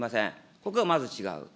ここがまず違う。